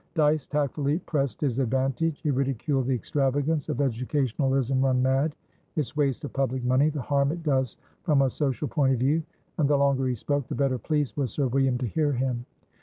Dyce tactfully pressed his advantage. He ridiculed the extravagance of educationalism run mad, its waste of public money, the harm it does from a social point of view; and, the longer he spoke, the better pleased was Sir William to hear him.